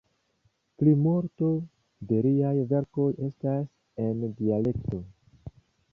Plimulto de liaj verkoj estas en dialekto.